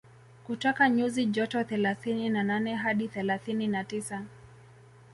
kutoka nyuzi joto thelathini na nane hadi thelathini na tisa